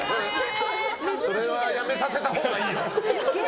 それはやめさせたほうがいいよ。